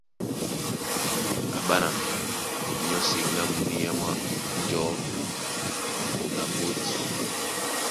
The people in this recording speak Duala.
Á ɓána binyɔ́ seŋgá muníá mwá njɔ̌ na mbódi.